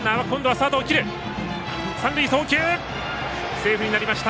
セーフになりました。